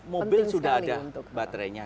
mobil sudah ada baterainya